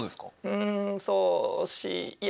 うんそう惜しい。